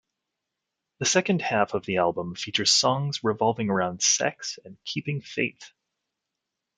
The second half of the album features songs revolving around sex and keeping faith.